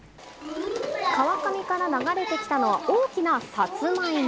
川上から流れてきたのは、大きなさつまいも。